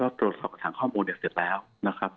ว่าตรวจสอบกระทางข้อมูลอย่างเสร็จแล้วนะครับ